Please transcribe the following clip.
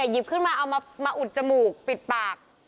หยิบขึ้นมาเอามาอุดจมูกปิดปาก